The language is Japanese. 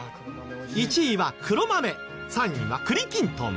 １位は黒豆３位は栗きんとん。